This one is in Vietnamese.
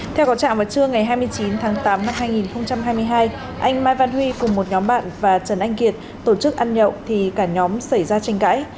theo có trạm vào trưa ngày hai mươi chín tháng tám năm hai nghìn hai mươi hai anh mai văn huy cùng một nhóm bạn và trần anh kiệt tổ chức ăn nhậu thì cả nhóm xảy ra tranh cãi